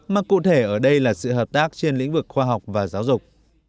mà cụ thể ở đây là sự hợp tác trên lĩnh vực khoa học và giáo dục